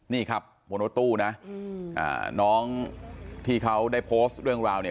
นี่ครับบนรถตู้นะน้องที่เขาได้โพสต์เรื่องราวเนี่ย